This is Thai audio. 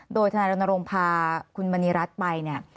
โดยธนาฬงภาคุณบรรณีรัฐไปเนี่ย